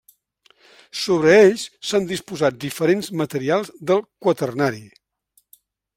Sobre ells s'han dipositat diferents materials del Quaternari.